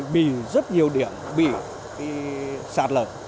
bị rất nhiều điểm bị sạt lật